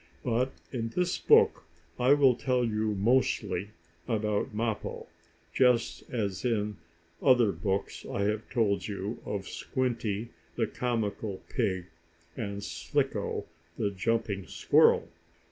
But in this book I will tell you mostly about Mappo, just as in other books I have told you of Squinty, the comical pig, and Slicko, the jumping squirrel.